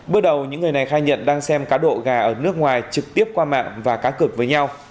bước đầu những người này khai nhận đang xem cá độ gà ở nước ngoài trực tiếp qua mạng và cá cược với nhau